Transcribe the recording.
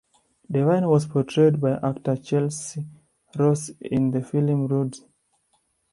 Devine was portrayed by actor Chelcie Ross in the film "Rudy".